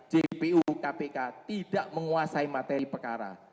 jpu kpk tidak menguasai materi pekara